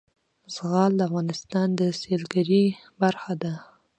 زغال د افغانستان د سیلګرۍ برخه ده.